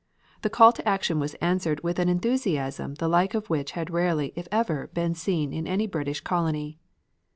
The call to action was answered with an enthusiasm the like of which had rarely, if ever, been seen in any British colony.